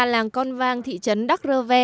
làng con vang thị trấn đắc rờ ve